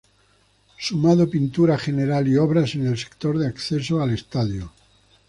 Sumado pintura general y obras en el sector de acceso al estadio.